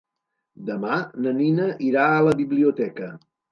Demà na Nina irà a la biblioteca.